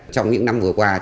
trong những năm vừa qua